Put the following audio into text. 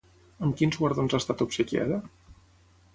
Amb quins guardons ha estat obsequiada?